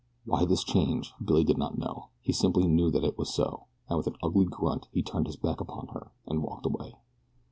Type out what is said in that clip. Why this change, Billy did not know, he simply knew that it was so, and with an ugly grunt he turned his back upon her and walked away.